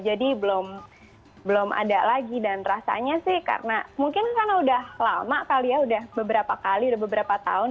jadi belum ada lagi dan rasanya sih karena mungkin karena udah lama kali ya udah beberapa kali udah beberapa tahun